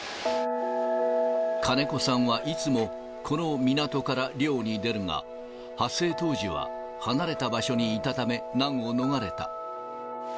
金子さんはいつもこの港から漁に出るが、発生当時は離れた場所にいたため、難を逃れた。